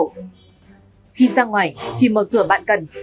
khi ra ngoài chỉ mở cửa bạn cần